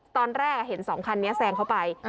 ตอนแรกเห็น๒คันนี้แซงเข้าไป